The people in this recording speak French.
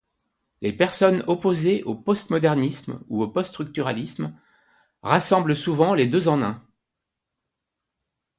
Les personnes opposées au postmodernisme ou au post-structuralisme rassemblent souvent les deux en un.